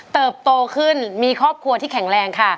โตขึ้นมีครอบครัวที่แข็งแรงค่ะ